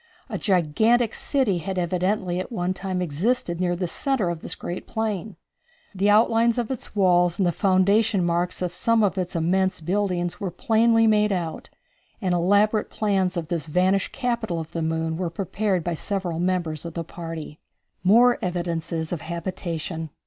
A gigantic city had evidently at one time existed near the centre of this great plain. The outlines of its walls and the foundation marks of some of its immense buildings were plainly made out, and elaborate plans of this vanished capital of the moon were prepared by several members of the party. More Evidences of Habitation.